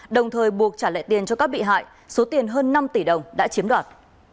đồng thời buộc trả lại tiền cho các bị hại số tiền hơn năm tỷ đồng đã chiếm đoạt